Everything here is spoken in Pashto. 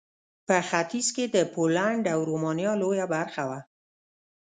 په ختیځ کې د پولنډ او رومانیا لویه برخه وه.